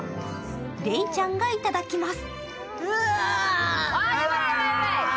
礼ちゃんがいただきます。